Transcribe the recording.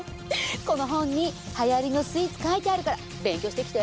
この本にはやりのスイーツ書いてあるから勉強してきて。